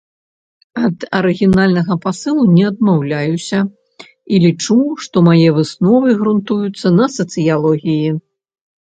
Ад арыгінальнага пасылу не адмаўляюся і лічу, што мае высновы грунтуюцца на сацыялогіі.